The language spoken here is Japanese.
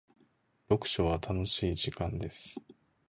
読書は楽しい時間です。